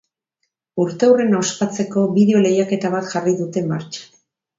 Urteurrena ospatzeko, bideo lehiaketa bat jarri dute martxan.